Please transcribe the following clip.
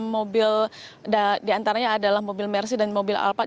mobil diantaranya adalah mobil mercy dan mobil alphard